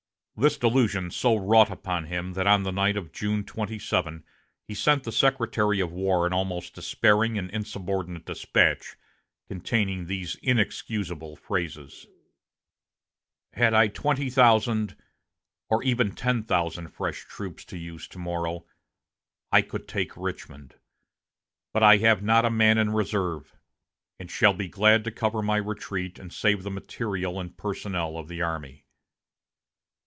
This delusion so wrought upon him that on the night of June 27 he sent the Secretary of War an almost despairing and insubordinate despatch, containing these inexcusable phrases: "Had I twenty thousand or even ten thousand fresh troops to use to morrow, I could take Richmond; but I have not a man in reserve, and shall be glad to cover my retreat and save the material and personnel of the army....